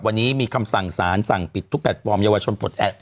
วันนี้มีคำสั่งสารสั่งปิดทุกแพลตฟอร์มเยาวชนปลดแอบ